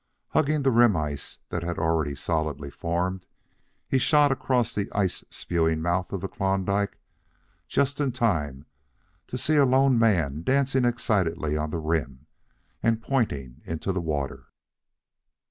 Hugging the rim ice that had already solidly formed, he shot across the ice spewing mouth of the Klondike just in time to see a lone man dancing excitedly on the rim and pointing into the water.